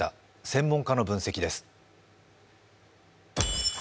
専門家の分析です。